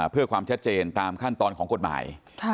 เพื่อความชัดเจนตามขั้นตอนของกฎหมาย